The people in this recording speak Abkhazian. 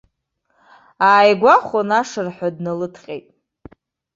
Ааигәахәын, ашырҳәа дналыдҟьеит.